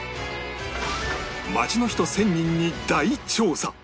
街の人１０００人に大調査